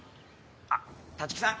あっ立木さん？